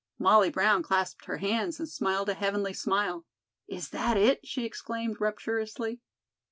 Molly Brown clasped her hands and smiled a heavenly smile. "Is that it?" she exclaimed rapturously.